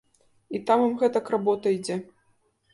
І там ім гэтак работа ідзе.